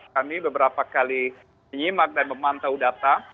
kami beberapa kali menyimak dan memantau data